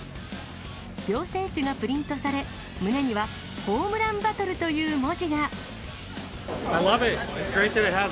両選手がプリントされ、胸にはホームランバトルという文字が。